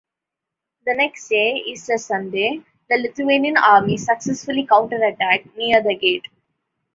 The next day, Easter Sunday, the Lithuanian Army successfully counter-attacked near the gate.